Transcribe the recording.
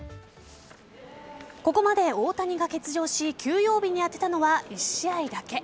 ここまで大谷が欠場し休養日に充てたのは１試合だけ。